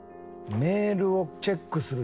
メールをチェックする仕事？